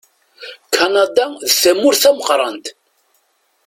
Kanada d tamurt tameqqrant.